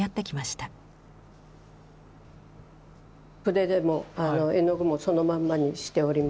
筆でも絵の具もそのまんまにしておりまして。